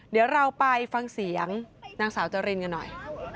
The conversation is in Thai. เดี๋ยวเราไปฟังเสียงนางสาวจรินกันหน่อย